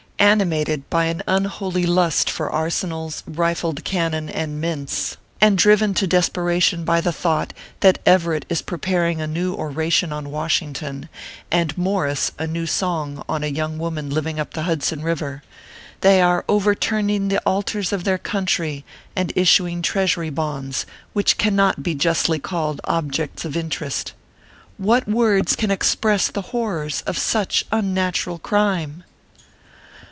Animated by an unholy lust for arsenals, rifled cannon, and mints, and driven to desperation by the thought that Everett is preparing a new Oration on Washington, and Morris a new song on a young woman living up the Hudson River, they are overturning the altars of their country and issuing treasury bonds, which can not be justly called objects of interest. What words can express the horrors of such unnatural crime